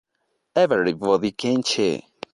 Everybody, Kimchi!